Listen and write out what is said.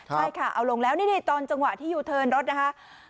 ใช่ค่ะเอาลงแล้วนี่ตอนจังหวะที่ยูเทิร์นรถนะคะ